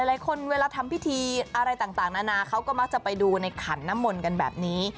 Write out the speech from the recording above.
หลายคนเวลาทำพิธีอะไรต่างนานาเขาก็มักจะไปดูในขันน้ำมนต์กันแบบนี้